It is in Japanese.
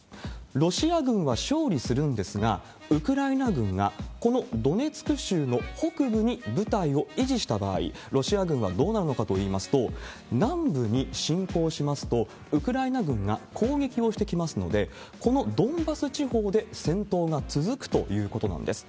ロシア軍は勝利するんですが、ウクライナ軍がこのドネツク州の北部に部隊を維持した場合、ロシア軍はどうなるのかといいますと、南部に侵攻しますと、ウクライナ軍が攻撃をしてきますので、このドンバス地方で戦闘が続くということなんです。